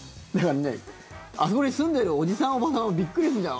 あそこに住んでるおじさん、おばさんはびっくりするじゃん。